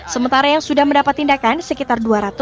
sementara yang sudah mendapat tindakan sekitar dua ratus